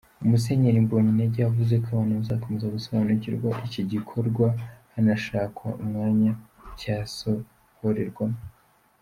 Musenyeri Mobonyintege yavuze ko abantu bazakomeza gusobanurirwa iki gikorwa hanashakwa umwanya cyasohorerwamo.